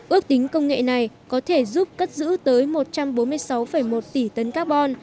ước tính công nghệ này có thể giúp cất giữ tới một trăm bốn mươi sáu một tỷ tấn carbon